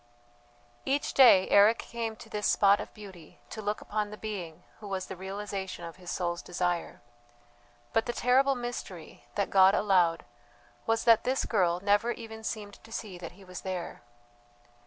Each day Eric came to this spot of beauty to look upon the being who was the realization of his soul's desire. But the terrible mystery, that God allowed, was that this girl never even seemed to see that he was there.